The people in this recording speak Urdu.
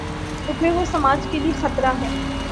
تو پھر وہ سماج کے لیے خطرہ ہے۔